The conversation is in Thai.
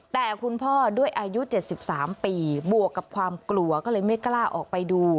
แต่คุณพ่อด้วยอายุ๗๓ปีบวกกับความกลัวก็เลยไม่กล้าออกไปดู